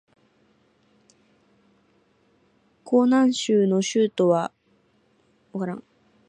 河南省の省都は鄭州